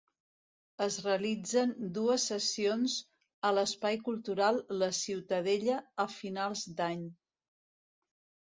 Es realitzen dues sessions a l'Espai Cultural la Ciutadella a finals d'any.